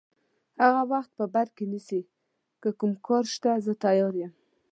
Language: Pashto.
هغه وخت په بر کې نیسي، که کوم کار شته زه تیار یم.